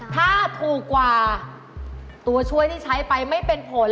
ถ้าถูกกว่าตัวช่วยที่ใช้ไปไม่เป็นผล